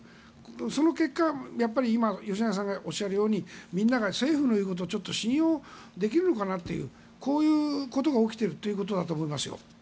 その結果、今吉永さんがおっしゃるようにみんなが政府の言うことを信用できるのかなというこういうことが起きているということだと思います。